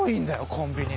コンビニ。